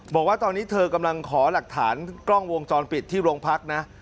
บอกว่าตอนนี้เธอกำลังขอหลักฐานกล้องวงจรปิดที่โรงพักนะ